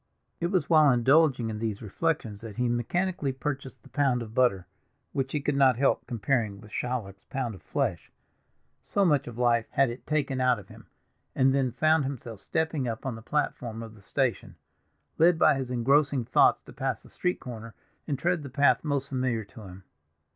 It was while indulging in these reflections that he mechanically purchased the pound of butter, which he could not help comparing with Shylock's pound of flesh, so much of life had it taken out of him, and then found himself stepping up on the platform of the station, led by his engrossing thoughts to pass the street corner and tread the path most familiar to him.